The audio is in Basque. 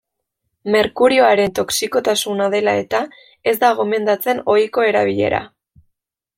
Merkurioaren toxikotasuna dela eta, ez da gomendatzen ohiko erabilera.